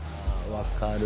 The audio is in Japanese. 分かる。